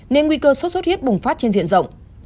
nên nguy cơ sốt xuất huyết bùng phát trên diện rộng